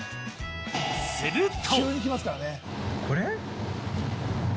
すると。